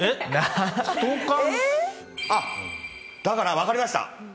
だから分かりました。